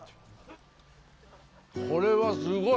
これはすごい！